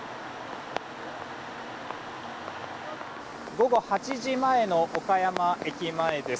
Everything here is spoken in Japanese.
午後８時前の岡山駅前です。